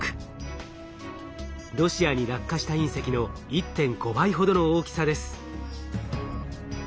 ロシアに落下した隕石の１．５倍ほどの大きさです。